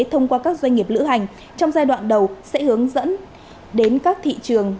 thông qua các doanh nghiệp lữ hành trong giai đoạn đầu sẽ hướng dẫn đến các thị trường